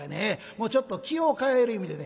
もうちょっと気を変える意味でね